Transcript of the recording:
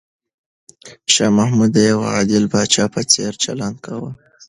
شاه محمود د یو عادل پاچا په څېر چلند کاوه.